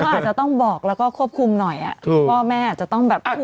อาจจะต้องบอกแล้วก็ควบคุมหน่อยพ่อแม่อาจจะต้องแบบ